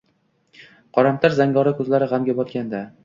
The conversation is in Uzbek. Qoramtir zangori ko`zlari g`amga botgandi